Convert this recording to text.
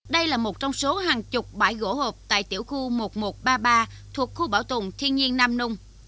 đây là một trong số hàng chục bãi gỗ hộp tại tiểu khu một nghìn một trăm ba mươi ba thuộc khu bảo tồn thiên nhiên nam nung